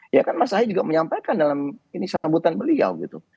ya kan mas ahy juga menyampaikan dalam ini sambutan beliau gitu